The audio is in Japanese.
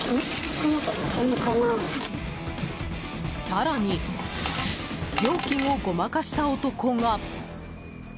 更に、料金をごまかした男が。